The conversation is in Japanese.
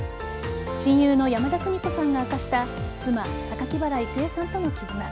親友の山田邦子さんが明かした妻・榊原郁恵さんとの絆。